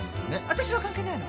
私は関係ないの？